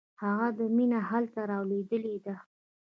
هغه ده مڼه هلته رالوېدلې ده.